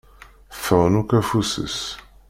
Ffɣen akk afus-is.